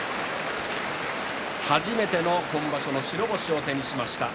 初めての今場所の白星を手にしました。